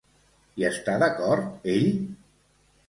Hi està d'acord ell?